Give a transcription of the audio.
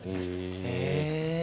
へえ。